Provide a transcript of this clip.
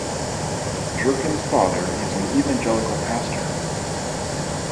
Jerkins' father is an Evangelical pastor.